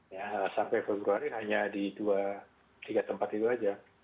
ya sampai februari hanya di dua tiga tempat itu saja